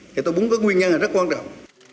thì tôi muốn có nguyên nhân là rất quan trọng